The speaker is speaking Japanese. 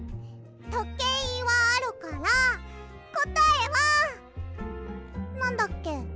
とけいはあるからこたえはなんだっけ？